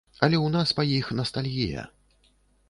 Але ў нас па іх настальгія.